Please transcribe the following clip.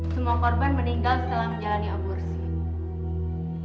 semua korban meninggal setelah menjalani aborsi